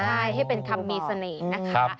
ใช่ให้เป็นคำมีเสน่ห์นะคะ